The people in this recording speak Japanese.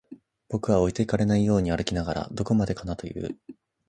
僕は置いてかれないように歩きながら、どこまでかなと言う